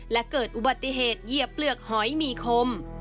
และเกิดอุบัติเหตุเหยียบเปลือกหอยมีคม